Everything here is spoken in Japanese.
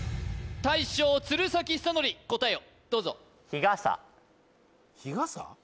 大将鶴崎修功答えをどうぞ・日傘？